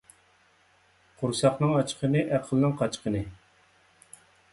قۇرساقنىڭ ئاچقىنى – ئەقىلنىڭ قاچقىنى.